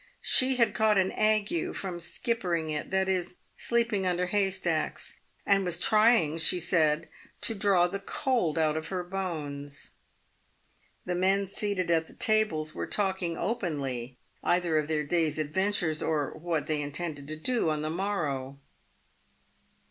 She had caught an ague from " skippering it," that is, sleeping under haystacks, and was trying, she said, "to draw the cold out of her bones." The men seated at the tables were talking openly either of their day's adventures, or what they intended to do on the morrow.